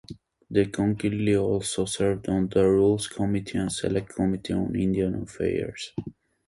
DeConcini also served on the Rules Committee and Select Committee on Indian Affairs.